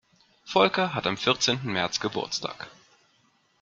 Volker hat am vierzehnten März Geburtstag.